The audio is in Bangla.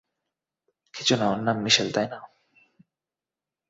কিছু না ওর নাম মিশেল, তাই না?